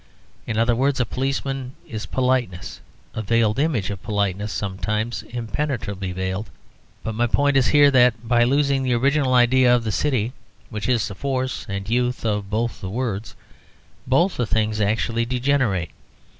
In other words, a policeman is politeness; a veiled image of politeness sometimes impenetrably veiled. But my point is here that by losing the original idea of the city, which is the force and youth of both the words, both the things actually degenerate.